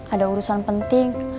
ada urusan penting